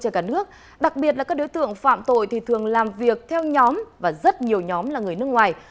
trên cả nước đặc biệt là các đối tượng phạm tội thì thường làm việc theo nhóm và rất nhiều nhóm là người nước ngoài